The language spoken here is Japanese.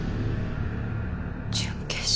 準決勝。